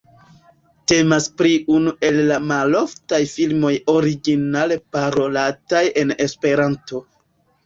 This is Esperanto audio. Temas pri unu el la maloftaj filmoj originale parolataj en Esperanto.